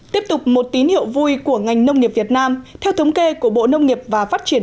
tiếp tục một tín hiệu vui của ngành nông nghiệp việt nam theo thống kê của bộ nông nghiệp và phát triển